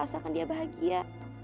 aku relas akan dia bahagia